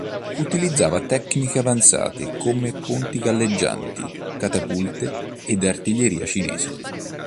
Utilizzava tecniche avanzate come ponti galleggianti, catapulte, ed artiglieria cinese.